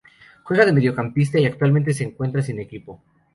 Juega de Mediocampista y actualmente se encuentra sin equipo.